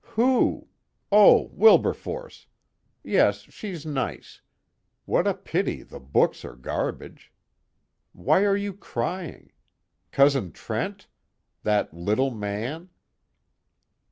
"Who? oh, Wilberforce. Yes, she's nice what a pity the books are garbage. Why are you crying? Cousin Trent? That little man?"